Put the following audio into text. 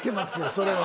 それは。